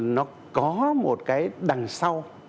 nó có một cái đằng sau